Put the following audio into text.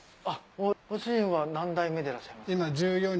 ご主人は何代目でいらっしゃいますか？